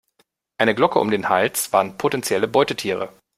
Eine Glocke um den Hals warnt potenzielle Beutetiere.